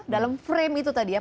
dalam frame itu tadi ya